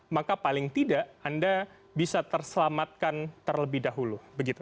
maka paling tidak anda bisa terselamatkan terlebih dahulu